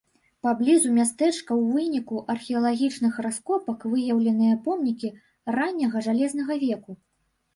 Паблізу мястэчка ў выніку археалагічных раскопак выяўленыя помнікі ранняга жалезнага веку.